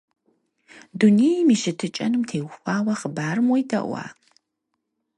Дунейм и щытыкӏэнум теухуа хъыбарым уедэӏуа?